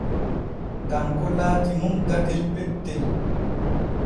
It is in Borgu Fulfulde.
Tanko laati nun gatel pettel.